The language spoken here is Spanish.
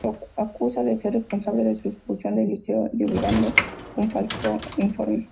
Lo acusa de ser responsable de su expulsión del Elíseo divulgando un falso informe.